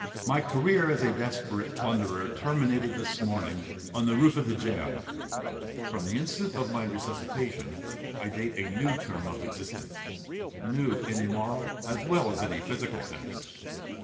My career as a desperate plunderer terminated this morning—on the roof of the gaol: from the instant of my resuscitation I date a new term of existence—new in a moral as well as in a physical sense.